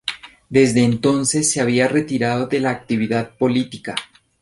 Desde entonces se había retirado de la actividad política.